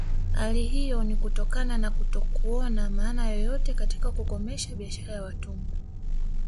Hali hiyo ni kutokana na kutokuona maana yoyote katika kukomesha biashara ya watumwa